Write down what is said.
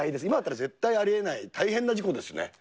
今だったら絶対ありえない、大変な事故ですね。